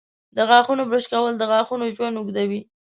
د غاښونو برش کول د غاښونو ژوند اوږدوي.